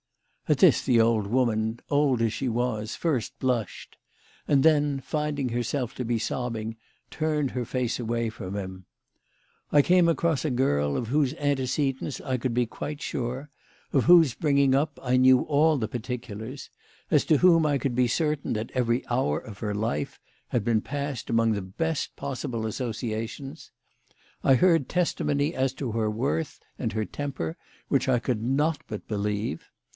At this the old woman, old as she was, first blushed, and then, finding herself to be sobbing, turned her face away from him. " I came across a girl of whose antecedents I could be quite sure, of whose bringing up I knew all the particulars, as to whom I could be certain that every hour of her life had been passed among the best possible associations. I heard testi mony as to her worth and her temper which I could not but believe.